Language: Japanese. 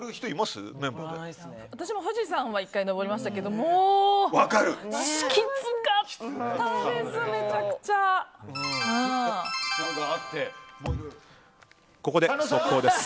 私も富士山は１回登りましたけどもうきつかったです